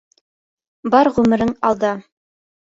Бар ғүмерең алда.